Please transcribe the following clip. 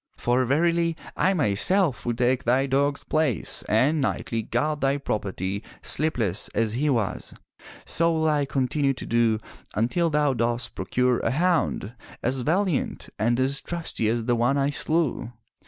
For verily I myself will take thy dog's place and nightly guard thy property, sleepless, as was he. So will I continue to do until thou dost pro cure a hound as valiant and as trusty as the one I slew.